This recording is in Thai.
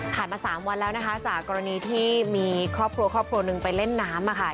มา๓วันแล้วนะคะจากกรณีที่มีครอบครัวครอบครัวหนึ่งไปเล่นน้ำค่ะ